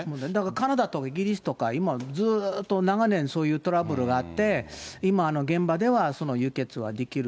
カナダとイギリスとか、今ずっと長年、そういうトラブルがあって、今、現場では輸血はできる。